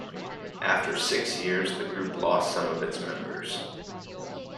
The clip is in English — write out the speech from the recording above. After six years the group lost some of its members.